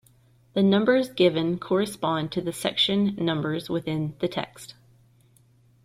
The numbers given correspond to the section numbers within the text.